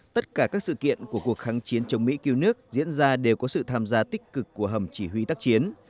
tất cả các sự kiện của cuộc kháng chiến chống mỹ cứu nước diễn ra đều có sự tham gia tích cực của hầm chỉ huy tác chiến